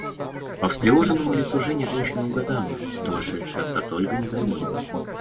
По встревоженному лицу Жени женщина угадала, что вошедшая в сад Ольга недовольна.